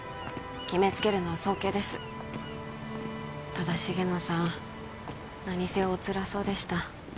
決めつけるのは早計ですただ重野さん何せおつらそうでした